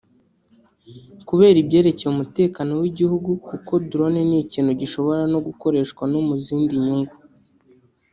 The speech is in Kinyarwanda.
kubera ibyerekeye umutekano w’igihugu kuko drone ni ikintu gishobora no gukoreshwa no mu zindi nyungu